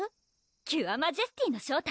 キュアマジェスティの正体